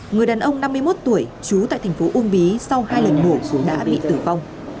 người đàn ông năm mươi một tuổi trú tại thành phố uông bí sau hai lần mổ xuống đã bị tử vong